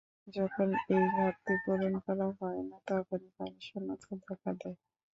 যখন এই ঘাটতি পূরণ করা হয় না, তখনই পানিশূন্যতা দেখা দেয়।